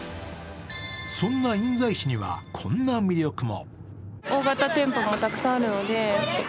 そんな印西市にはこんな魅力も。